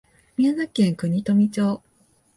宮崎県国富町